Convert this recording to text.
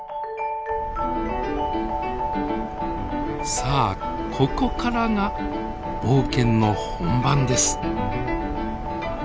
さあここからが冒険の本番です。